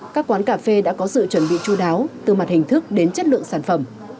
các quán cà phê đã có sự chuẩn bị chú đáo từ mặt hình thức đến chất lượng sản phẩm